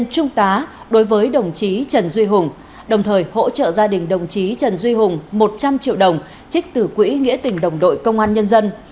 chích tử quỹ nghĩa tình đồng đội công an nhân dân